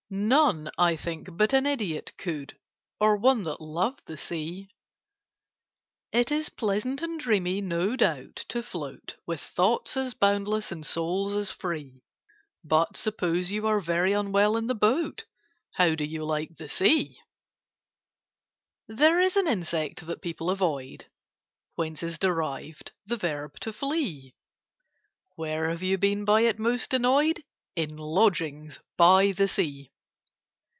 None, I think, but an idiot could— Or one that loved the Sea. It is pleasant and dreamy, no doubt, to float With 'thoughts as boundless, and souls as free': But, suppose you are very unwell in the boat, How do you like the Sea? [Picture: And this was by the sea] There is an insect that people avoid (Whence is derived the verb 'to flee'). Where have you been by it most annoyed? In lodgings by the Sea.